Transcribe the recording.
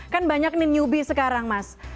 kan banyak nih newbie sekarang mas